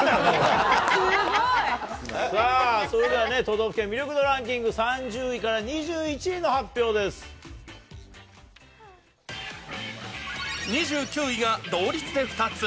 それではね、都道府県魅力度ランキング、３０位から２１位の２９位が同率で２つ。